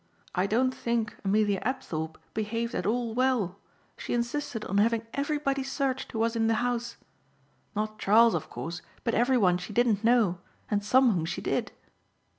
I don't think Amelia Apthorpe behaved at all well. She insisted on having everybody searched who was in the house. Not Charles of course but every one she didn't know and some whom she did."